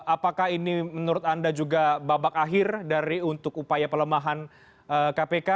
apakah ini menurut anda juga babak akhir dari untuk upaya pelemahan kpk